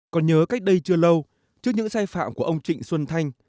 còn nhớ cách đây chưa lâu trước những sai phạm của ông trịnh xuân thanh